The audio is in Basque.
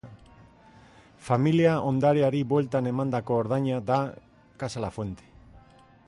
Familia ondareari bueltan emandako ordaina da Casa Lafuente.